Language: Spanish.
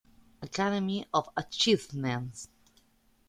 Academy of Achievement.